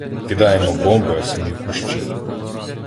Кидаємо бомби, а самі — в кущі.